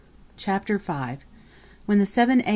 Chapter V When the Seven A.